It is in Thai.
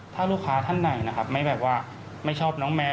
ถ้าลูกค้าท่านไหนนะครับไม่แบบว่าไม่ชอบน้องแมว